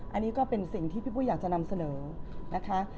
อันนี้ก็เป็นสิ่งที่พี่ปุ้ยอยากจะนำเสนอนะคะ